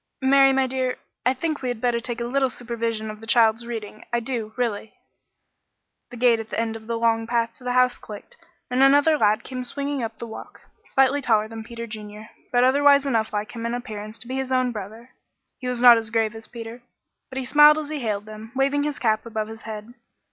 "Mary, my dear, I think we'd better take a little supervision of the child's reading I do, really." The gate at the end of the long path to the house clicked, and another lad came swinging up the walk, slightly taller than Peter Junior, but otherwise enough like him in appearance to be his own brother. He was not as grave as Peter, but smiled as he hailed them, waving his cap above his head.